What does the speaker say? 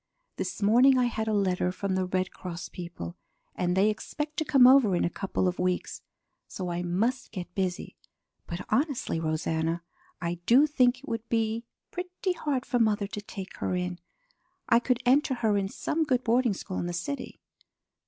This morning I had a letter from the Red Cross people, and they expect to come over in a couple of weeks. So I must get busy. But honestly, Rosanna, I do think it would be pretty hard for mother to take her in. I could enter her in some good boarding school in the city."